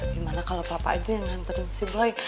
gimana kalau papa saja yang hantarin si boy